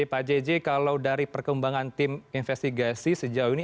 pak jj kalau dari perkembangan tim investigasi sejauh ini